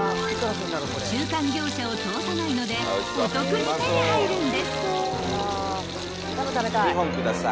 ［中間業者を通さないのでお得に手に入るんです］